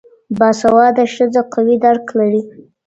باسواده ښځه قوي درک لري